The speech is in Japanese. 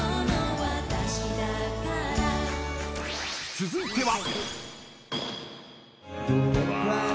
［続いては］